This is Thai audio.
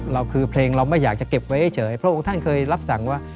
คือเพลงเราไม่อยากจะเก็บไว้เฉยพระองค์ท่านเคยรับสั่งว่า